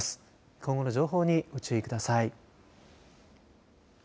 今後の情報にご注意ください。